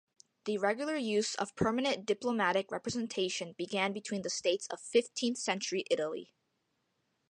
The regular use of permanent diplomatic representation began between the states of fifteenth-century Italy.